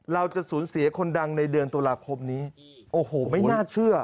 เราจะสูญเสียคนดังในเดือนตุลาคมนี้โอ้โหไม่น่าเชื่อ